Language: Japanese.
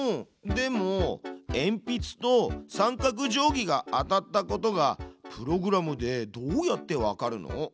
でもえんぴつと三角定規が当たったことがプログラムでどうやってわかるの？